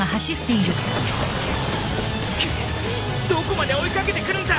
くっどこまで追い掛けてくるんだ！